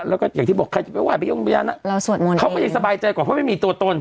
แล้วก็อย่างที่บอกใครจะไปไห้ไปยงพยานเราสวดมนต์เขาก็ยังสบายใจกว่าเพราะไม่มีตัวตน